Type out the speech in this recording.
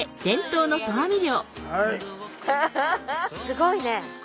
すごいね。